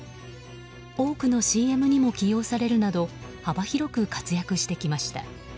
多くのＣＭにも起用されるなど幅広く活躍してきました。